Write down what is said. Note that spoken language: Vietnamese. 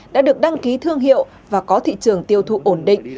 đã được đăng ký thương hiệu và có thị trường tiêu thụ ổn định